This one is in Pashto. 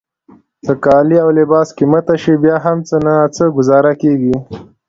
که کالي او لباس قیمته شي بیا هم څه ناڅه ګوزاره کیږي.